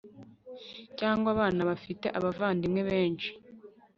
cyangwa abana bafite abavandimwe benshi